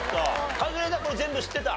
カズレーザーこれ全部知ってた？